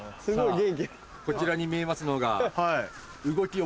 さぁこちらに見えますのが。